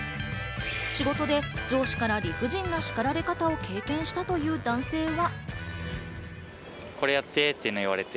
仕事で上司から理不尽な叱られ方を経験したという男性は。